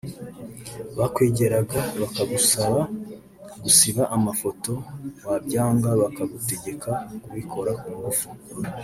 bakwegeraga bakagusaba gusiba amafoto wabyanga bakagutegeka kubikora ku ngufu